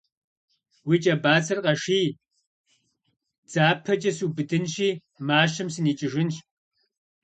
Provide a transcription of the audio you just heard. - Уи кӏэ бацэр къэший: дзапэкӏэ субыдынщи, мащэм сыникӏыжынщ.